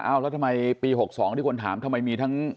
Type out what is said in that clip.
แล้วทำไมปี๖๒ที่คนถามทำไมมีทั้ง